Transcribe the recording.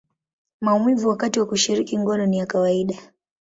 maumivu wakati wa kushiriki ngono ni ya kawaida.